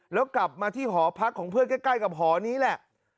แล้วกลับมาที่หอพักของเพื่อนใกล้กับหอนี้แหละ